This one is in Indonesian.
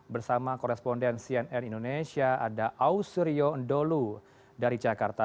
bersama koresponden cnn indonesia ada ausrio ndolu dari jakarta